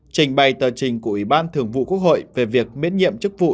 trình bày tờ trình của ủy ban thường vụ quốc hội về việc miễn nhiệm chức vụ